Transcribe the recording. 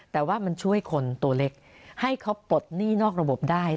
แต่ว่ามันช่วยคนตัวเล็กให้เขาปลดหนี้นอกระบบได้